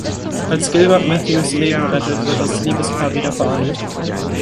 Als Gilbert Matthews Leben rettet, wird das Liebespaar wieder vereint.